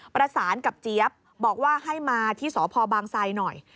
ประสานกับเจี๊ยบบอกว่าให้มาที่สพบางไซหน่อย